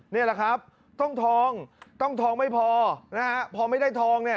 นี่แหละครับต้องทองต้องทองไม่พอนะฮะพอไม่ได้ทองเนี่ย